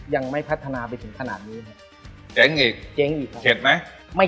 ยังไม่พัฒนาไปถึงขนาดนี้